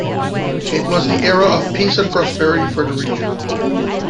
It was the era of peace and prosperity for the region.